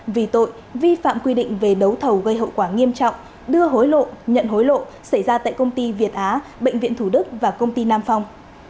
vì tội vi phạm quy định về đấu thầu gây hậu quả nghiêm trọng đưa hối lộ nhận hối lộ xảy ra tại công ty việt á bệnh viện thủ đức và công ty nam phong